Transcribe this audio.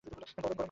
গরম গরম গরম!